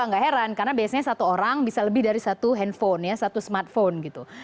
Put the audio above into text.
tidak heran karena biasanya satu orang bisa lebih dari satu smartphone